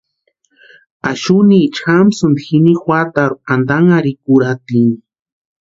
Axunicha jamsïnti jini juatarhu antanharhikurhatini.